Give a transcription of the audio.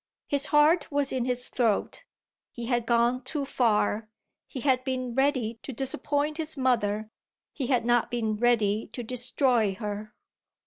His heart was in his throat, he had gone too far; he had been ready to disappoint his mother he had not been ready to destroy her.